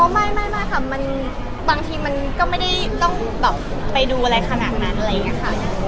ไม่ค่ะบางทีมันก็ไม่ได้ต้องแบบไปดูอะไรขนาดนั้นอะไรอย่างนี้ค่ะ